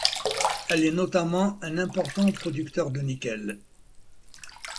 Elle est notamment un important producteur de nickel.